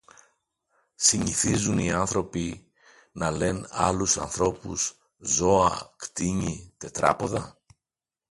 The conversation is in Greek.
Συνηθίζουν οι άνθρωποι να λεν άλλους ανθρώπους «ζώα», «κτήνη», «τετράποδα»